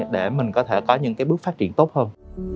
để mình có thể có những cái bước phát triển tốt hơn